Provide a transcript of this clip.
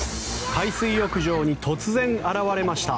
海水浴場に突然現れました